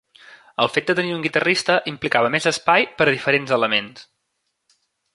El fet de tenir un guitarrista implicava més espai per a diferents elements.